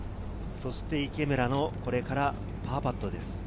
そして池村の、これからパーパットです。